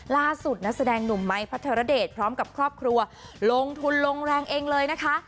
ล่าสุดนักแสดงหนุ่มไม้พัทรเดชพร้อมกับครอบครัวลงทุนลงแรงเองเลยนะคะ